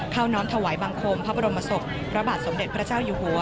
น้อมถวายบังคมพระบรมศพพระบาทสมเด็จพระเจ้าอยู่หัว